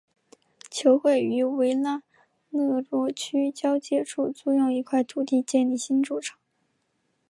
球会于维拉勒若区交界处租用一块土地建立新主场。